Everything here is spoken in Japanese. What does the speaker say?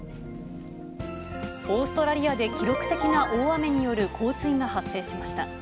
オーストラリアで記録的な大雨による洪水が発生しました。